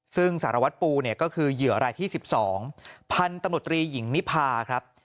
ซึ่งสารวัตรปูเนี่ยก็คือเหยื่อรายที่๑๒พันธุ์ตำรวจตรีหญิงนิพาครับ